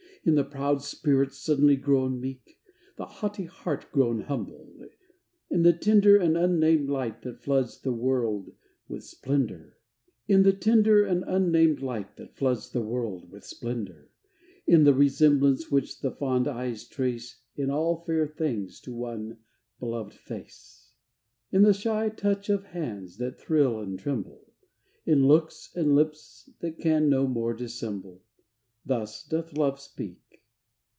In the proud spirit suddenly grown meek The haughty heart grown humble; in the tender And unnamed light that floods the world with splendor; In the resemblance which the fond eyes trace In all fair things to one beloved face; In the shy touch of hands that thrill and tremble; In looks and lips that can no more dissemble Thus doth Love speak.